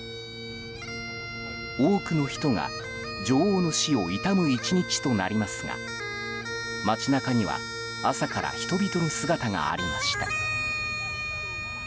多くの人が女王の死を悼む一日となりますが街中には朝から人々の姿がありました。